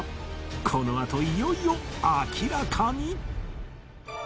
このあといよいよ明らかに